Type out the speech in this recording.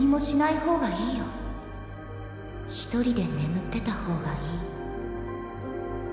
一人で眠ってた方がいい。